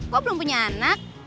kok belum punya anak